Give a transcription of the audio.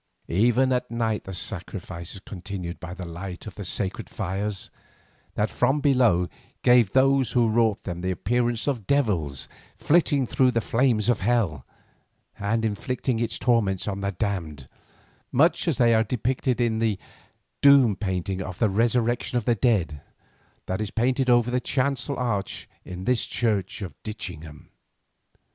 Even at night the sacrifices continued by the light of the sacred fires, that from below gave those who wrought them the appearance of devils flitting through the flames of hell, and inflicting its torments on the damned, much as they are depicted in the "Doom" painting of the resurrection of the dead that is over the chancel arch in this church of Ditchingham.